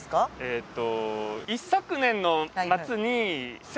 えーと一昨年の夏に。